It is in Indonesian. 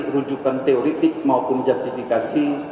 rujukan teoretik maupun justifikasi